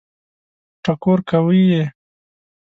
ټکور کوي یې.